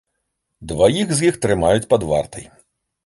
Дваіх з іх трымаюць пад вартай.